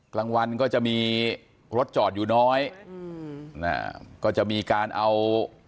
กลางวันก็จะมีรถจอดอยู่น้อยอืมอ่าก็จะมีการเอา